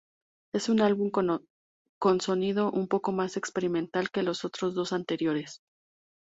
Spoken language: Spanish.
Es un álbum con sonido un poco más experimental que los otros dos anteriores.